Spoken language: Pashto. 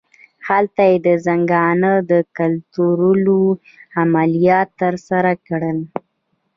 هلته یې د زنګانه د کتلولو عملیات ترسره کړل.